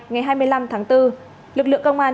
ngày hai mươi năm tháng bốn lực lượng công an